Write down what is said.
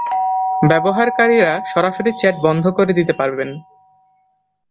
ব্যবহারকারীরা সরাসরি চ্যাট বন্ধ করে দিতে পারবেন।